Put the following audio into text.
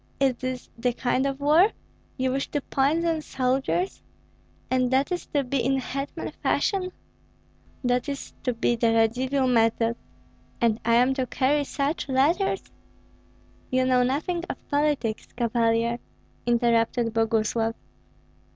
Is this the kind of war? You wish to poison soldiers? And that is to be in hetman fashion? That is to be the Radzivill method, and am I to carry such letters?" "You know nothing of politics, Cavalier," interrupted Boguslav.